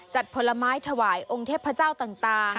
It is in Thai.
ผลไม้ถวายองค์เทพเจ้าต่าง